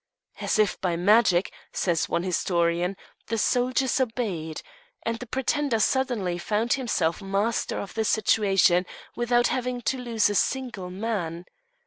As if by magic, says one historian, the soldiers obeyed, and the pretender suddenly found himself master of the situation without having to lose a single man.